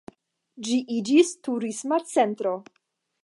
Ĝi iĝis turisma centro.